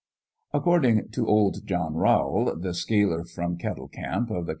According to old John Rowl, the sealer from Kettle Camp of the.